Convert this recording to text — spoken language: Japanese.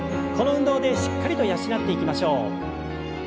この運動でしっかりと養っていきましょう。